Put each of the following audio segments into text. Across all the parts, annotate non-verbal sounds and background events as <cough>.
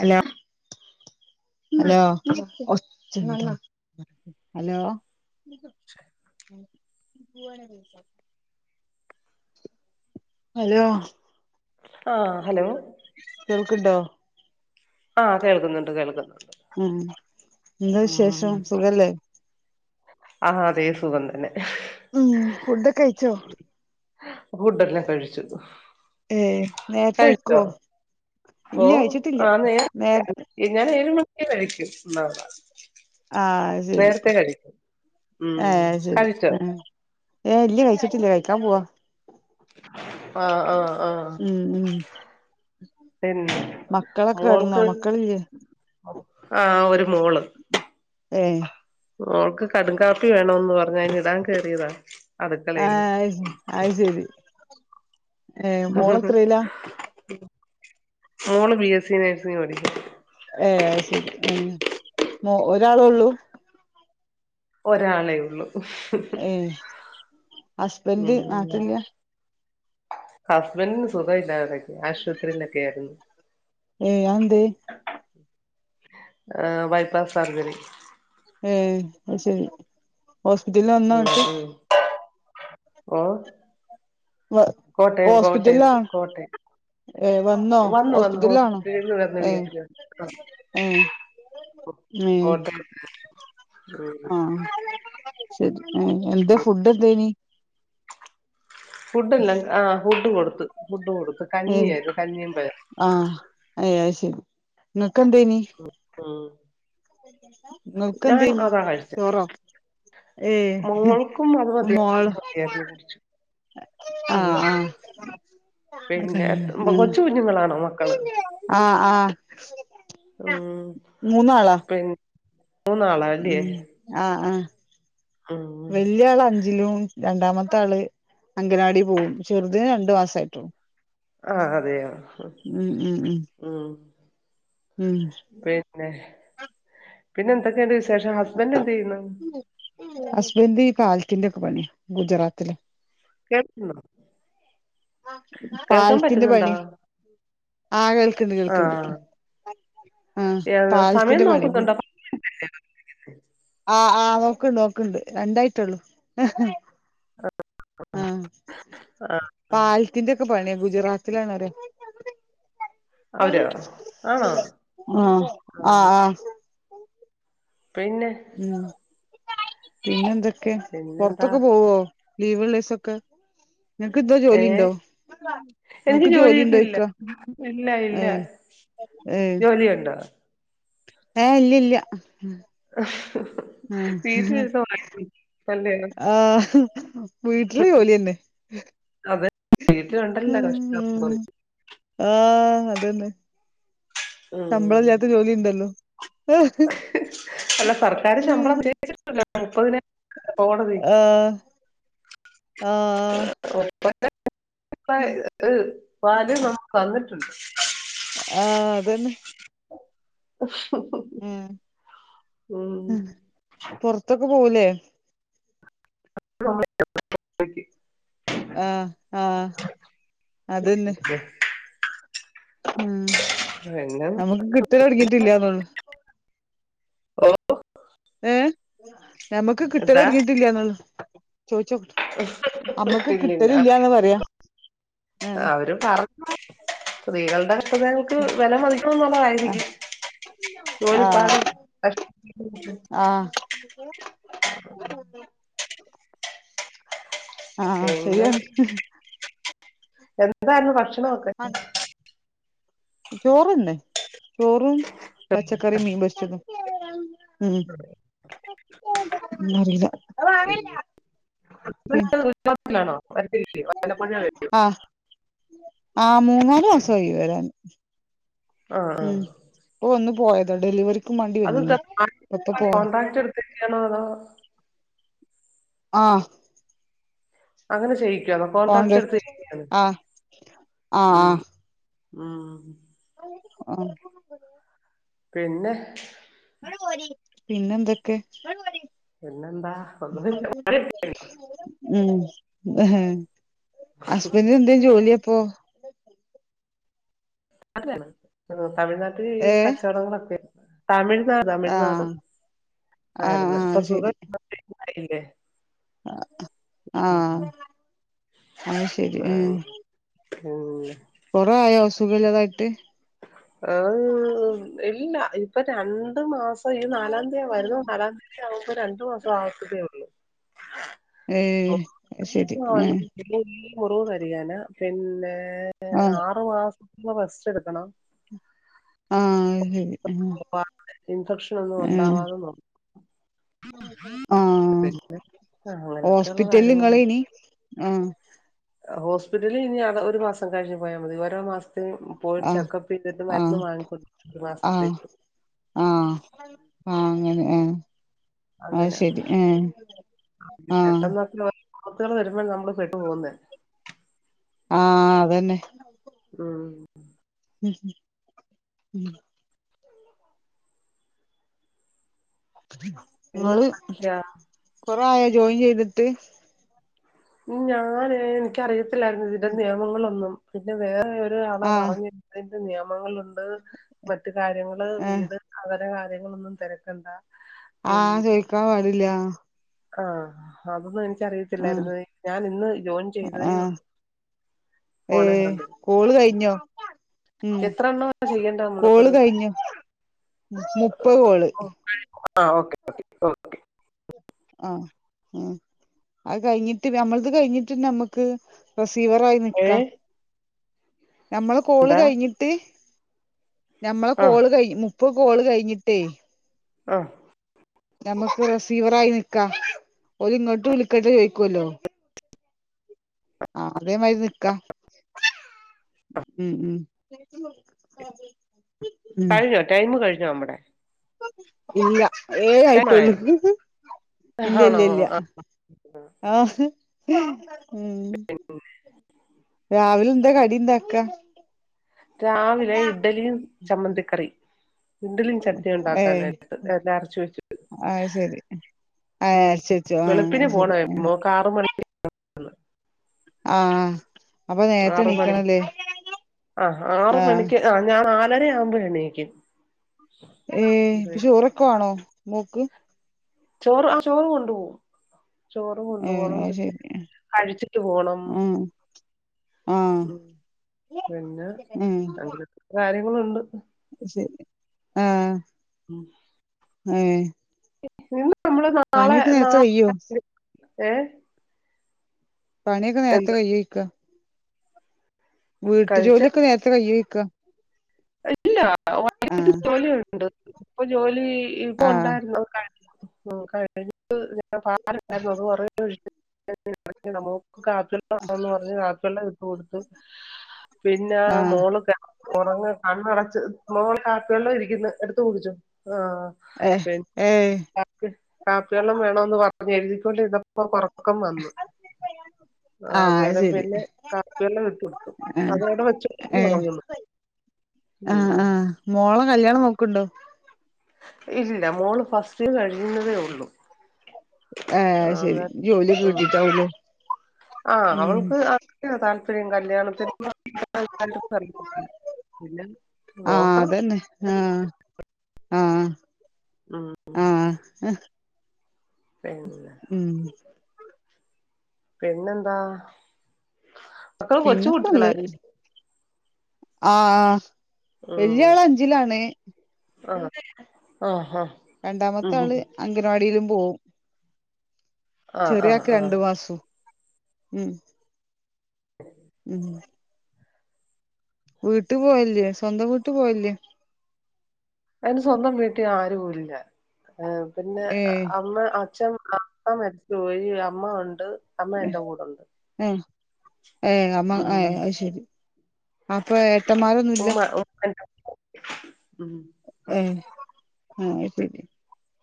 Hello hello hello hello ആഹ് hello ക്ക്ണ്ടോ ആഹ് കേൾക്കുന്നുണ്ട് കേൾക്കുന്നുണ്ട് ഉം എന്താ വിശേഷം സുഖല്ലേ ആഅതേ സുഖംതന്നെ ഉം ഫുഡക്കെ കഴിച്ചോ ഫുഡല്ലാം കഴിച്ചു ഏ കഴിച്ചോ നേരത്തെയ്ക്കോ ഓ ഇല്ല്യ കയ്ച്ചിട്ടില്ല ആഹ് നേര ന്ന ആഹ് ശരി നേർത്തെ കഴിച്ചു ഉം കഴിച്ചോ ഏ ഇല്ല കഴിച്ചിട്ടില്ല കഴിക്കാൻ പോവാ ആഹ ആഹ ആഹ ഉം ഉം പിന്നെ മക്കളൊക്കെ കെടന്നോ മോൾക്ക് മക്കളില്ലേ ആഹ ഒരു മോള് എ മൾക്ക് കട കാാപ്പി വേണന്ന് പറഞ്ഞ അതിനി ഇടാൻ കേറിയതാ അടുക്കളയില് ആഹ അയി ആയി ശരി ഏഹ് മോളെത്രയിലാ മോള് ബി എസ് സി നേഴ്സിംഗ പഠിക്ക ഏ ശരി ഉ മോ ഒരാള ഉള്ളൂ ഒരാളേ ഉള്ള ഏ ഹസ്ബന്ഡ് നട്ടില്ല ഹസ്ബൻ് സുധ ഇല്ല ആശുപത്രിയിലൊക്കെ ആായിരുന്നു ഏഹ് അതെന്തേ ആ ബൈപ്പാസ് സാർജറി ഏ അ ശരി ഹോസ്പിറ്റല വന്നാട്ട് ഹ വ ഹസ്പിറ്റൽ ആാ കോട്ടയം ഏ വന്നോ വന്നു വന്നു ഹോസ്പിറ്റലാണോ ഹോസ്പിറ്റലിൽ നിന്ന് വന്ന് ഏ വീട്ടില് ആഹ് ഏ മ കോട്ടയത്ത് ഉം ആഹ ശ ആ എന്താ ഉം ഫുഡ് എന്തേനി ഫുഡ് എല്ലാം ആ ഫുഡ് കൊടുത്ത ഫുഡ് കൊടുത്ത ഏ ആഹ അയ ശരി നിങ്ങക്ക എന്തനി ഉം ഞാൻ ഇങ്ങക്കെന്തേനി അതാ കഴിച്ചെ ചോറോ? ഏ മോൾക്കും അത് മോള് മതിയായിരുന്നു <unintelligible> കുട്ച്ച് ഉം ആഹ് ആഹ് പിന്നെ കഴിഞ്ഞു എത്ത് ബ് കൊച്ചു കുഞ്ഞുങ്ങളാണോ മക്കള്? ആഹ് ആഹ് ഉം മൂന്നാളാ പി ഉം ആഹ് ആഹ് ഉം വെല്ല്യാളഞ്ച്ലും രണ്ടാമത്തള് അങ്കലവാടി പോവും ചെർതിന് രണ്ട് മാസായിട്ടൊള്ളൂ. ആഹ് അതെയോ ഉം ഉം ഉം ഉം പിന്നെ പിന്നെ എന്തൊക്കെയണ്ട് വിശേഷം ഹസ്ബൻഡറ് എന്ത് ചെയ്യുന്നു? ഹസ്ബന്ഡ് ഈ പാലത്തിന്റെ ഒക്കെ പണി ഗുജറാത്തില് കേൾക്കുന്നു പാലത്തിന്റെ പണി ആഹ് കേൾക്ക്ണ്ട് കേൾക്ക്ണ്ട് ആഹ് ആഹ് ഏഹ് സമയം പാലത്തിന്റെ പണികുപോയ് നോക്കുന്നുണ്ടോ ആഹ് ആഹ് നോക്കണ്ണ്ട് നോക്ക്ണ്ണ്ട് രണ്ടായിട്ടൊള്ളൂ ആഹ് ആഹ് പാലത്തിന്റെക്കെ പണിയാ ഗുജറാത്തിലാണ് പറയാ ആഹ് അവരോ ആണോ ആഹ് ആഹ് പിന്നെ പിന്നെന്തൊക്കെ പിന്നെന്താ പൊറത്തൊക്കെ പോവോ ലീവ്ള്ളേസക്കെ ഏ എനിക്ക് നിങ്ങക്ക് ജോലി കിട്ടീല്ല ഉണ്ടോയിക്ക ഇല്ല ഇല്ല ഏ ജോലിയൊണ്ടോ ഏഹ് ഇല്ലില്ല വീട്ടിലിരുന്ന് വായിക്കും അല്ലയോ ആ വീട്ടില് ജോലിന്നെ ഉം അതെ വീട്ടിലൊണ്ടല്ല ഉം <unintelligible> ആഹ് അതന്നെ ശമ്പളം ഉം ഇല്ലാത്ത ജോലി ഇണ്ടല്ലോ എഹ് മ് ആ ഇപ്പ പിന്നെ ആഹ് ആഹ് ആഹ് പ ഏ <unintelligible> പാല് നമുക്ക് വന്നിട്ടുണ്ട് ആഹ് അതന്നെ അ <unintelligible> ഉം ഉം പൊറത്തൊക്കെ പോവൂലേ പോകാൻ പറ്റത്തില്ല <unintelligible> ആ ഹ് ആഹ് അത് തന്നെ ഉം നമുക്ക് കിട്ടിയാ കടിക്കത്തില്ലിയോ തോണത് ഓഹ് ഏ ഞമ്മക്ക് കിട്ടല് തൊടങ്ങിട്ടില്ലിയന്ന് ട്ടില്ലിണ്ട കിട്ടലില്ലാന്ന് പറയാ <unintelligible> ആഹ് അവരും പറഞ്ഞു സ്ത്രീകൾ അപ്പ നമ്മക്ക് വെല മതിക്കണമെന്നുള്ളതായിരിക്കും ആഹ് ജോലിപ്പാടും കഷ്ടപാടുമൊക്കെ <inaudible> ആഹ് ആഹ് പിന്നെ ശരിയാണ് എന്തായിരുന്നു ഭക്ഷണംയൊക്കെ ചോറ് തന്നെ ചോറും പച്ചക്കറിയും മീൻ പൊരിച്ചതും അ <inaudible> ന്നുല്ല മ് ണോ വല്ലപ്പോഴേ വരൂ ആഹ് ആഹ് മൂന്നാല് മാസമായി വരാൻ ആ ആ ഉം ഒന്ന് പോയതാ ഡെലിവറി അത് കോൺ്രാക്ട് എടുത്തെയിന്റെയാണോ അതോ ആഹ് അങ്ങനെ ചെയ്യിക്കുവാണോകോൺട്രാക്ട് എടുത്ത് കോൺട്രാക്ട് ചെയ്ക്കുവാണോ ആ ആ ആ ആഹ് ആ പിന്നെ പിന്നെന്തൊക്കെ പിന്നെന്താ ഒന്നുമില്ല ഉം ഹസ്ബൻഡ്ന് എന്തേ ജോലിയപ്പൊ അത് തമിഴ്നാട്ടിൽ ഏ കച്ചവടങ്ങളൊക്കെ തമിഴ് ആ തമിഴ്നാട് ആ ആരുന്നു ആ ഇപ്പൊ സുഖമില്ലാതെ <unintelligible> ആഹ് അയ്ശെരി ആ, മ് <inaudible> കൊറേ ആയോ സുഖില്ലാതായിട്ട് ഇല്ല ഇപ്പൊ രണ്ടു മാസം പ്പൊ ഈ നാലാം തീ വരുന്ന നാലാം തീയതി ആവുമ്പോ രണ്ടു മാസം ആവത്തതേ ള്ളൂ ഏ ഓ ശരി <unintelligible> ഏ മുറിവ് കരിയാന് പിന്നെ ആ ആറ് മാസം റെസ്റ്റ് എടുക്കണം ആഹ് അങ്ങനെ ഇൻഫെക്ഷൻ ഒന്നും മ് ഉണ്ടാവാതെ ആഹ് നോക്കണം ആ, അങ്ങനെയൊക്കെയുള്ള ഹോസ്പിറ്റലും ങ്ങള് കാര്യങ്ങളുണ്ട് ഇനി ആഹ് ഹോസ്പിറ്റലിൽ ഇനി ഒരു മാസം കഴിഞ്ഞ് പോയാ മതി ഓരോ മാസ് പോയി ആഹ് ചെക്കപ്പ് ചെയ്തിട്ട് മരുന്ന് ആഹ് വാങ്ങിക്കും ഒരു മാസത്തേക്ക്‌ ആഹഹ് ആഹ് അങ്ങനെ മ് അങ്ങനെ ആഹ് പെട്ടെന്നൊക്ക ആപത്തുകള് വരുമ്പോൾ നമ്മള് പെട്ടു പോകുന്നേ ആ അതന്നെ ഉം <unintelligible> പിന്നെ ങ്ങള് കൊറേ ആയ ജോയിൻ ചെയ്തിട്ട്. ഞാന് എനിക്കറിയത്തില്ലായിരുന്നു ഇതിന്റെ നിയമങ്ങളൊന്നും പിന്നെ വേ ആഹ് <unintelligible> നിയമങ്ങളുണ്ട് മറ്റ് കാര്യങ്ങള് ആഹ് വീട് അവ കാര്യങ്ങളൊന്നും തിരക്കണ്ട. ആ ചോദിക്കാൻ പാടില്ല. ആ അതൊന്നും ആഹ് എനിക്കറിയത്തില്ലായിരുന്നു ഞാൻ ഇന്ന് ജോയിൻ ചെയ്തതേ ഉള്ളു. ഏ കോള് കഴിഞ്ഞോ? ഉം എത്ര എണ്ണമാ ചെയ്യേണ്ടേ നമ്മള് കോള് കഴിഞ്ഞു. മുപ്പതോള് ഓ ആ ഓക്കെ ഓക്കെ ഓക്കെ. ആ ഉ അത് കഴിഞ്ഞിട്ട് നമ്മളത് കഴിഞ്ഞിട്ട് നമ്മക്ക് റി സിവറായി ഓക്കെ നിക്കാ നമ്മള കോള് എന്താ കഴിഞ്ഞിട്ട് ഞമ്മളെ ആ കോള് കഴി മുപ്പത് കോള് കഴിഞ്ഞിട്ടെയ് ആ നമ്മക്ക് റിസീവറായി നിക്കാ ഓര് ഇങ്ങോട്ട് വിളിക്കട്ടെ ചോയിക്കോ ലോ ആ അതേമാരി നിക്ക ഉം ഉം കഴിഞ്ഞോ ടൈം കഴിഞ്ഞോ നമ്മടെ ഇല്ല്യ ഏഴ് ടൈം ആയിട്ടോളൂ ആയോ ഇല്ല ആണോ ഇല്ല്യ ഇല്യാ ആ ആ ഉം രാവിലെന്താ കടിണ്ടാക്കാ? രാവിലെ ഇഡലിയും ചമ്മന്തിക്കറിയും. ഇഡലിയും ചട്നിയും ഏയ് ഉണ്ടാക്കാനായിട്ട് എല്ലാം അരച്ച് വെ അത് ശരി ഏഹ് ഉം അരച്ച് വെച്ചോ ആഹ് വെളുപ്പിന് അത് പോണം ശരി <inaudible> ആ ആറ് മണി ആ ആറ് ആഹ് മണിക്ക് ആ ഞാൻ ആ വളരെ <unintelligible> ഏ ചോറൊക്കെ വാണോ മോക്ക്? ചോറ് ആ ചോറ് കൊണ്ടു പോവും. ചോറ് കൊണ്ടു ഏഹ് പോണം അത് പിന്നെ ശരി കഴിച്ചിട്ട് പോണം. ആഹ് ആഹ് ഉം പിന്നെ ഉം അങ്ങനത്തെ കാര്യങ്ങളുണ്ട്. ശരി ആ ഏ നിന്ന് കയ്യോ <unintelligible> പണിയൊക്കെ നേരത്തെ കയ്യോയിക്ക? വീട്ട് കഴിച്ച് ജോലിയൊക്കെ നേരത്തെ കൈയ്യോഴിക്ക? ഇല്ല <unintelligible> ഇപ്പൊ ജോലി ആഹ് ഉണ്ടായിരുന്നു. ഉം <unintelligible> <unintelligible> ഇട്ട് കൊടുത്ത്. പിന്നെ ആ ആഹ് മോളൊക്കെ ഉറങ്ങ? അടച്ച് മോളെ കാപ്പി വെള്ളം ഇരിക്കുന്നു എടുത്ത കുടിച്ചോ? ആ ഏഹ് പി ഏഹ് കാപ്പി വെള്ളം വേണന്ന് പറഞ്ഞ് <unintelligible> ആ ആഹ് അത് അന്നേരം ശരി പിന്നെ കാപ്പിയെള്ളം ആഹ് <unintelligible> ഉറങ്ങുന്നു ആ ഉം. ആ മോളെ കല്യാണം നോക്ക് ണ്ടോ? ഇല്ല മോള് ഫസ്റ്റ് ഇയർ കഴിയുന്നതേ ഉള്ളു. ഏഹ് ആ, അത് ശരി ജോലിയൊക്കെ ഉം, കിട്ടീട്ടാവൂലേ ആ, ഉം അവൾക്ക്, അതിനാ, താല്പ ഇത്രയും, കല്യാണത്തി <inaudible> ആഹ്, അതന്നെ, ആ. ആഹ്, ഉം ആ. പിന്നെ ഉം. പിന്നെന്താ, മക്കള് കൊച്ചു കുട്ടികളായി. ആ, വല്യാൾ, അഞ്ചിലാണ്. ആ, ആഹ, ആഹ. രണ്ടാമത്താള്, അംഗനവാടിലും, പോവും. ആഹ് ആഹ് ചെറിയാക്ക്, ആഹ് രണ്ട് മാസോം, ഉം. ഉം. വീട്ട്, പോവൽല്ലേ, സ്വന്തം വീട്ട്, പോവൽല്ലെ. അയ്ന്, സ്വന്തം വീട്ടി ആരൂല്ല, പിന്നെ, ഏഹ് അമ്മ, അച്ഛൻ അപ്പ, മരിച്ചു പോയി, അമ്മ ഉണ്ട്, അമ്മ, എന്റെ കൂടൊണ്ട്. ഏ, അമ്മ, ഏ, അയ്ശരി, അപ്പൊ, ഏട്ടന്മാരൊന്നുല്ല. ഉമ്മ ഉമ്മ എന്റെ ഉം ഏ, ആ, അയ്ശരി,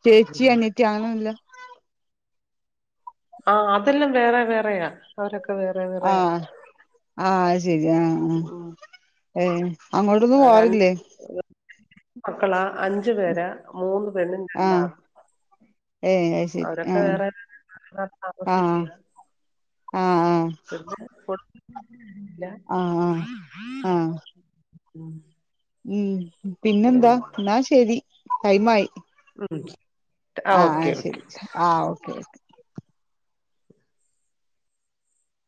ചേച്ചി, പിന്നെ അനിയത്തി, <unintelligible> ആ, അതെല്ലാം, വേറെ, വേറെയാ അവര ആഹ്, ആഹ്, അശെരി, ആഹ്, ആഹ്. ഉം ഏയ്, അങ്ങോട്ടൊന്നും, രണ്ട് പോവാറില്ലേ. മക്കളാ, അഞ്ചു പേര, മൂന്ന്, പെണ്ണും, ആഹ് രണ്ടാണും. ഏഹ് അത് ശരി അവരൊക്കെ, ആഹ് വേറെ, വേറെ, <inaudible> ആഹ് താമസിക്കുഅ, ആഹ് പിന്നെ <unintelligible> ല്ല. ആഹ് ആഹ് ആഹ് ഉം, പിന്നെന്താ, ന്നാശെരി, ടൈമായി. ഉം, ആ, ആഹ് ഓക്കെ ഓക്കെ. ശരി ആഹ് ഓക്കെ